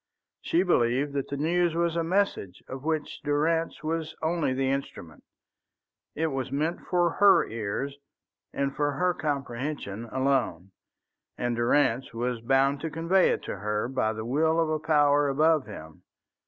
She believed that the news was a message of which Durrance was only the instrument. It was meant for her ears, and for her comprehension alone, and Durrance was bound to convey it to her by the will of a power above him.